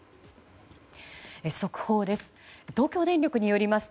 速報です。